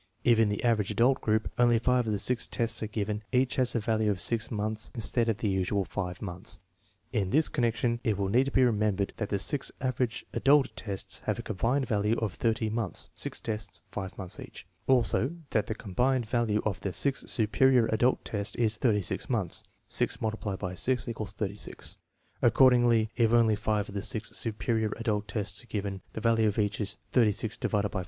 If in the "aver age adult " group only five of the six tests are given, each has a value of 6 months instead of the usual 5 months. In this connection it will need to be remembered that the six " average adult " tests have a combined value of 30 months (6 tests, 5 months each); also that the combined value of the six " superior adult " tests is 36 months (6 X 6 = S6). Accordingly, if only five of the six " superior adult " tests are given, the value of each is 36 * 6 7.